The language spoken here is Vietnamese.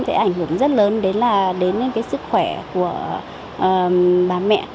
thì ảnh hưởng rất lớn đến sức khỏe của bà mẹ